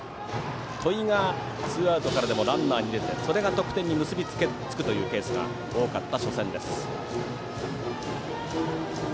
戸井がツーアウトからでもランナーに出てそれが得点に結びつくケースが多かった初戦です。